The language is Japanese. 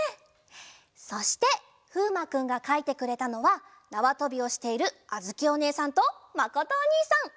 そしてふうまくんがかいてくれたのはなわとびをしているあづきおねえさんとまことおにいさん。